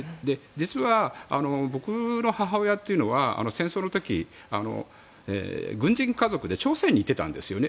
実は僕の母親というのは戦争の時に軍人家族で朝鮮に行ってたんですよね。